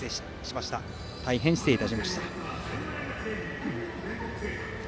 大変、失礼いたしました。